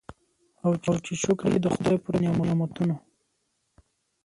او چي شکر کړي د خدای پر نعمتونو